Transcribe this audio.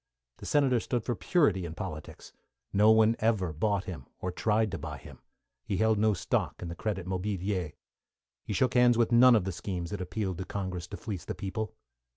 The Senator stood for purity in politics. No one ever bought him, or tried to buy him. He held no stock in the Credit Mobilier. He shook hands with none of the schemes that appealed to Congress to fleece the people.